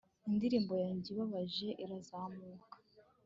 indirimbo yanjye ibabaje irazamuka